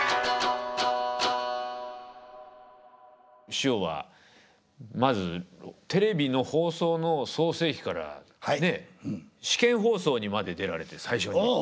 師匠はまずテレビの放送の創成期からね試験放送にまで出られて最初に。